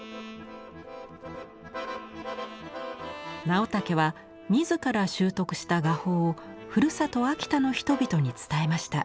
直武は自ら習得した画法をふるさと秋田の人々に伝えました。